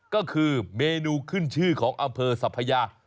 ก็คือเมนูขึ้นชื่อของอำเภอสัพยา